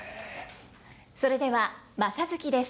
それでは「正月」です。